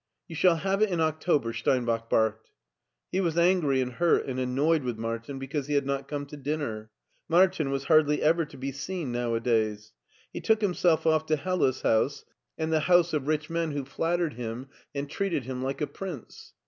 " You shall have it in October," Steinbach barked. He was angry and hurt and annoyed with Martin be cause he had not come to dinner. Martin was hardly ever to be seen nowadays. He took himself off to Hella's house, and the house of ridi men who flattered 134 MARTIN SCHtJLER him and treated him like a prince.